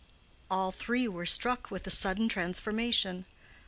All three were struck with the sudden transformation.